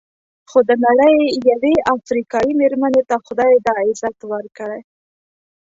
خو د نړۍ یوې افریقایي مېرمنې ته خدای دا عزت ورکړی.